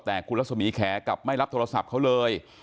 แต่คุณรัศมีแขกับไม่รับโทรศัพท์เขาเลย